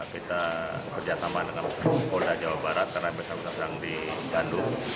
kita bekerjasama dengan pro pampolda jawa barat karena misalnya kita sedang di bandung